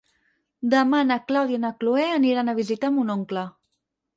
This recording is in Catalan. Demà na Clàudia i na Cloè aniran a visitar mon oncle.